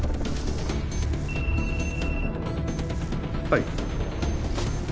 はい。